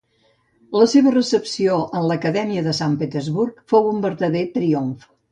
La seva recepció en l'Acadèmia de Sant Petersburg fou un vertader triomf.